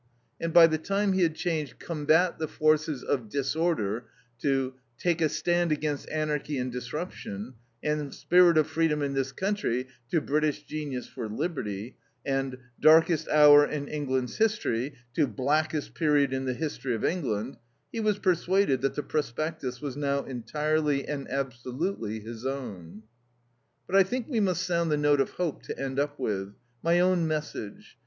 And by the time he had changed "combat the forces of disorder" to "take a stand against anarchy and disruption," and "spirit of freedom in this country" to "British genius for liberty," and "darkest hour in England's history" to "blackest period in the history of England," he was persuaded that the prospectus was now entirely and absolutely his own. "But I think we must sound the note of hope to end up with. My own message.